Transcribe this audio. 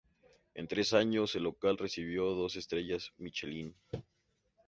En tres años, el local recibió dos estrellas Michelin.